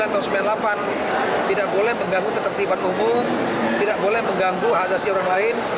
tidak boleh mengganggu ketertiban umum tidak boleh mengganggu hadasi orang lain